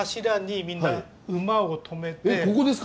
ここですか？